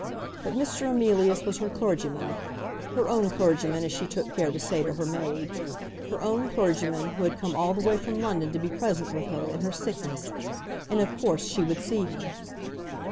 But Mr. Emilius was her clergyman, her own clergyman, as she took care to say to her maid, her own clergyman, who had come all the way from London to be present with her in her sickness; and of course she would see him.